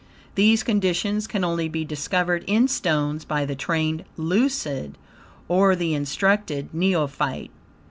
These conditions can only be discovered, in stones, by the trained lucid or the instructed neophyte.